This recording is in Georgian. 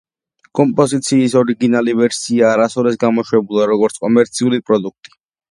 კომპოზიციის ორიგინალი ვერსია არასოდეს გამოშვებულა, როგორც კომერციული პროდუქტი.